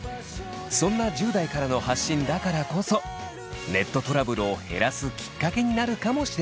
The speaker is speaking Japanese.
そんな１０代からの発信だからこそネットトラブルを減らすきっかけになるかもしれません。